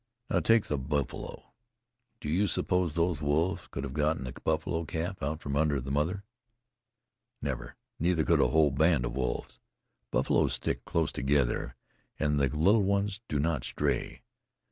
Now, take the buffalo. Do you suppose those wolves could have gotten a buffalo calf out from under the mother? Never. Neither could a whole band of wolves. Buffalo stick close together, and the little ones do not stray.